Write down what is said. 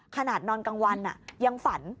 นอนกลางวันยังฝัน